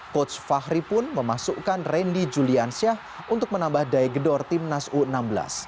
coach fahri pun memasukkan randy julian syah untuk menambah daigedor tim nasional u enam belas